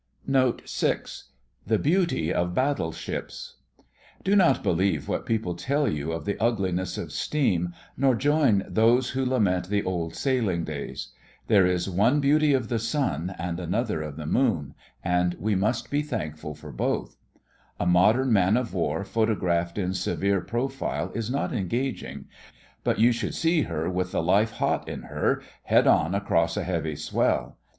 NOTE VI THE BEAUTY OF BATTLESHIPS Do not believe what people tell you of the ugliness of steam, nor join those who lament the old sailing days. There is one beauty of the sun and another of the moon, and we must be thankful for both. A modern man of war photographed in severe profile is not engaging; but you should see her with the life hot in her, head on across a heavy swell.